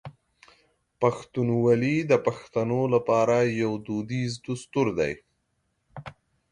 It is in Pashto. پښتونولي د پښتنو لپاره یو دودیز دستور دی.